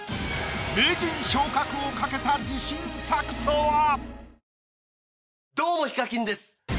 名人昇格を懸けた自信作とは？